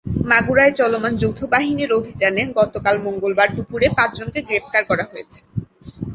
মাগুরায় চলমান যৌথ বাহিনীর অভিযানে গতকাল মঙ্গলবার দুপুরে পাঁচজনকে গ্রেপ্তার করা হয়েছে।